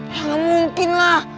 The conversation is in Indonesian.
ya gak mungkin lah